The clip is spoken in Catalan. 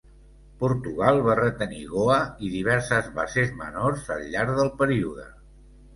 Portugal va retenir Goa i diverses bases menors al llarg del període.